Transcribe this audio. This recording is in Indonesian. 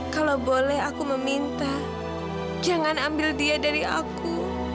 kalau boleh aku meminta jangan ambil dia dari aku